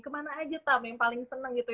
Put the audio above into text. kemana aja tam yang paling seneng gitu